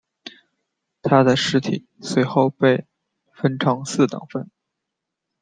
他的尸体随后被分成四等分。